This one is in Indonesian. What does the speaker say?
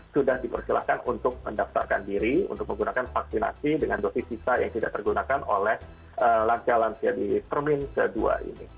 sudah dipersilahkan untuk mendaftarkan diri untuk menggunakan vaksinasi dengan dosis sisa yang tidak tergunakan oleh lansia lansia di termin kedua ini